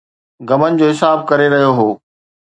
غمن جو حساب ڪري رهيو هو